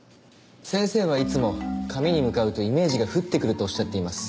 先生はいつも紙に向かうとイメージが降ってくるとおっしゃっています。